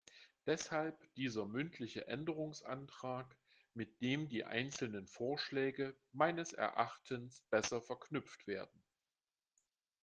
Deshalb dieser mündliche Änderungsantrag, mit dem die einzelnen Vorschläge meines Erachtens besser verknüpft werden.